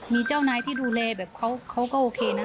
มีเจ้านายที่ดูแลแบบเขาก็โอเคนะ